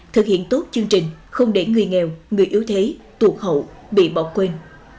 thực hiện tốt chương trình không để người nghèo người yếu thế tuột hậu bị bỏ quên